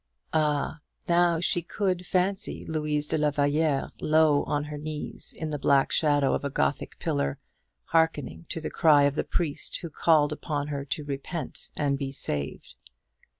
Ah, now she could fancy Louise de la Vallière low on her knees in the black shadow of a gothic pillar, hearkening to the cry of the priest who called upon her to repent and be saved.